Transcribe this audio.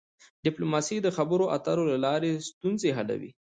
ډيپلوماسي د خبرو اترو له لاري ستونزي حلوي.